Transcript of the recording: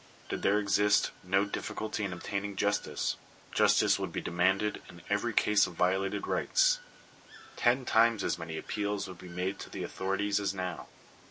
Did there exist no difficulty in obtaining justice, justice would be demanded in every case of violated rights. Ten times as many appeals would be made to the authorities as now.